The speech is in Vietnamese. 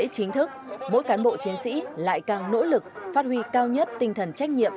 chính thức mỗi cán bộ chiến sĩ lại càng nỗ lực phát huy cao nhất tinh thần trách nhiệm